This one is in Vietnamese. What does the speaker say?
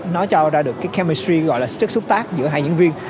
nó cho ra được cái chemistry gọi là sức xúc tác giữa hai diễn viên